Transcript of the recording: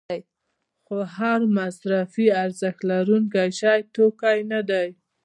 خو هر مصرفي ارزښت لرونکی شی توکی نه دی.